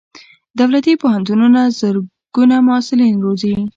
دولتي پوهنتونونه زرګونه محصلین روزي.